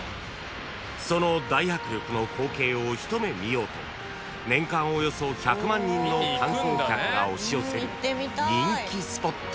［その大迫力の光景を一目見ようと年間およそ１００万人の観光客が押し寄せる人気スポット］